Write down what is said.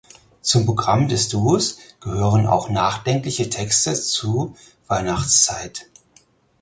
Zum Programm des Duos gehören auch nachdenkliche Texte zu Weihnachtszeit.